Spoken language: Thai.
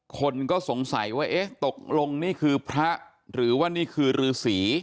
คนก็สงสัยว่าเอ๊ะตกลงนี่คือพระหรือว่านี่คือฤษี